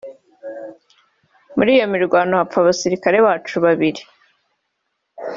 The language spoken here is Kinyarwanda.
muri iyo mirwano hapfa abasirikare bacu babiri